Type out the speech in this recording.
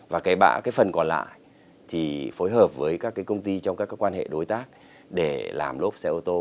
và cái phần còn lại thì phối hợp với các cái công ty trong các quan hệ đối tác để làm lốp xe ô tô